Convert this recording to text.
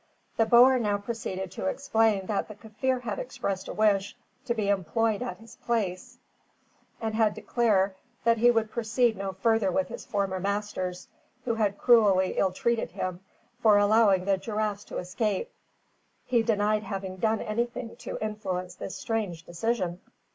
The boer now proceeded to explain that the Kaffir had expressed a wish to be employed at his place, and had declared that he would proceed no further with his former masters, who had cruelly ill treated him for allowing the giraffes to escape. He denied having done anything to influence this strange decision.